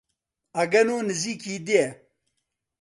ئەگەنۆ نزیکی دێ